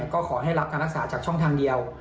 ก็ขอให้รับการรักษาจากช่องทางเดียว